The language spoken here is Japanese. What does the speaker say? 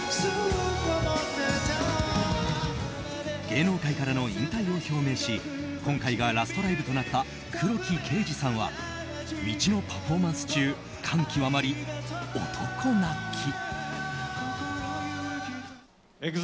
芸能界からの引退を表明し今回がラストライブとなった黒木啓司さんは「道」のパフォーマンス中感極まり、男泣き。